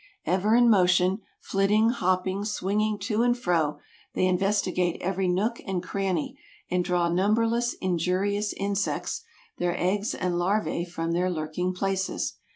Ever in motion, flitting, hopping, swinging to and fro, they investigate every nook and cranny and draw numberless injurious insects, their eggs and larvae from their lurking places.